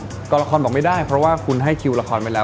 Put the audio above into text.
กองละครบอกไม่ได้เพราะว่าคุณให้คิวละครไปแล้ว